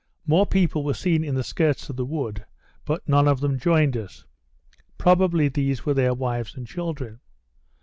More people were seen in the skirts of the wood, but none of them joined us: Probably these were their wives and children.